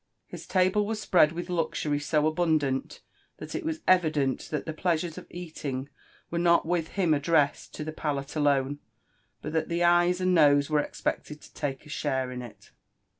His table was spread with luxury so abundant, that it was evident that the pleasures of eating were not with him addressed to the palate alone, but that the eyes and nose were expected to take a share in it.